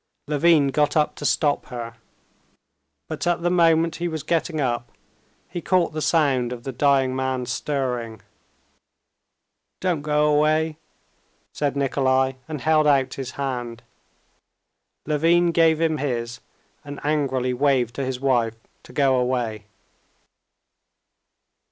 Levin got up to stop her. But at the moment he was getting up, he caught the sound of the dying man stirring. "Don't go away," said Nikolay and held out his hand. Levin gave him his, and angrily waved to his wife to go away.